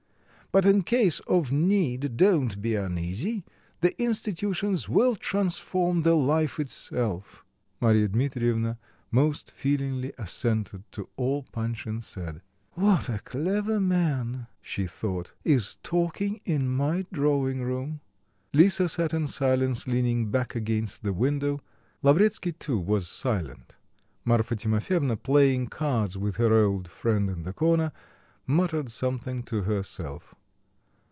But in case of need don't be uneasy. The institutions will transform the life itself." Marya Dmitrievna most feelingly assented to all Panshin said. "What a clever man," she thought, "is talking in my drawing room!" Lisa sat in silence leaning back against the window; Lavretsky too was silent. Marfa Timofyevna, playing cards with her old friend in the corner, muttered something to herself.